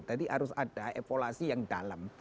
tadi harus ada evaluasi yang dalam